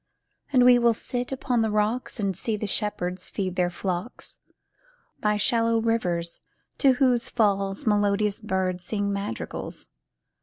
There will we sit upon the rocks And see the shepherds feed their flocks, By shallow rivers, to whose falls Melodious birds sing madrigals.